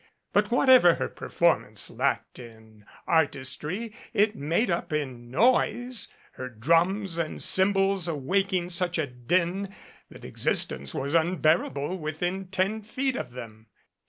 But whatever her performance lacked in artistry it made up in noise, her drum and cymbals awak ing such a din that existence was unbearable within ten feet of them.